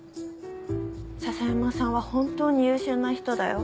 篠山さんは本当に優秀な人だよ。